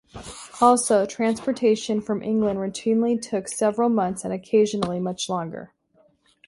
Also, transportation from England routinely took several months, and occasionally, much longer.